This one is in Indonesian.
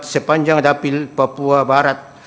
sepanjang dapil papua barat